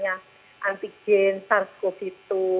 kayak gitu antibody sars cov dua seperti itu mbak